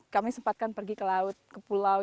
kami sempatkan pergi ke laut ke pulau